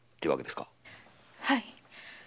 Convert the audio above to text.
はい。